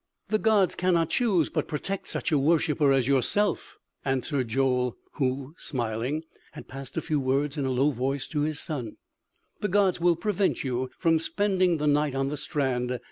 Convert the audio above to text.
"The gods cannot choose but protect such a worshipper as yourself," answered Joel, who, smiling, had passed a few words in a low voice to his son. "The gods will prevent you from spending the night on the strand....